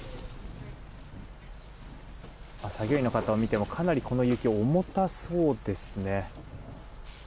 作業員の方を見てもかなりこの雪、重たそうですね。